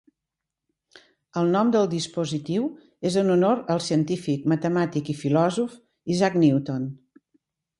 El nom del dispositiu és en honor al científic, matemàtic i filòsof Isaac Newton.